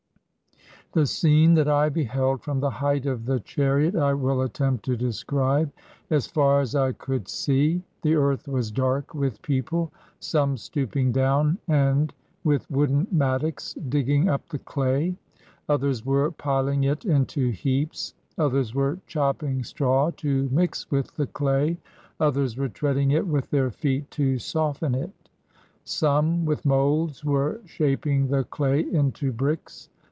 The scene that I beheld from the height of the chariot I will attempt to describe. As far as I could see, the earth was dark with people, some stooping down and with wooden mattocks digging up the clay ; others were piling it into heaps ; others were chopping straw to mix with the clay; others were treading it with their feet to soften it. Some with moulds were shaping the clay into bricks.